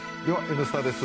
「Ｎスタ」です。